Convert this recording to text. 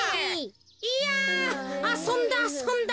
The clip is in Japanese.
いやあそんだあそんだ。